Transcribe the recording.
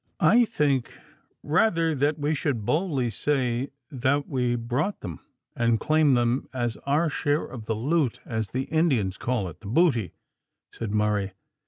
"I think, rather, that we should boldly say that we brought them, and claim them as our share of the loot as the Indians call it the booty," said Murray.